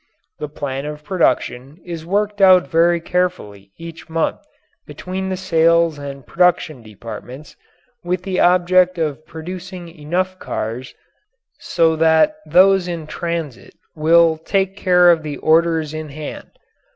The plan of production is worked out very carefully each month between the sales and production departments, with the object of producing enough cars so that those in transit will take care of the orders in hand.